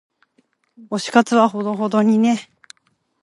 推し活はほどほどにね。